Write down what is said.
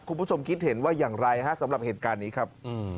คุณผู้ชมคิดเห็นว่าอย่างไรฮะสำหรับเหตุการณ์นี้ครับ